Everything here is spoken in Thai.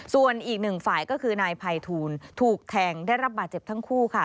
ส่วนอีกหนึ่งฝ่ายก็คือนายภัยทูลถูกแทงได้รับบาดเจ็บทั้งคู่ค่ะ